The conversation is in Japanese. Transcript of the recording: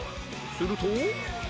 すると